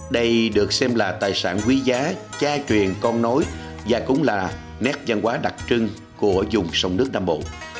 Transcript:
đây được xem là tài sản quý giá cha truyền con nối và cũng là nét văn hóa đặc trưng của dùng sông nước nam bộ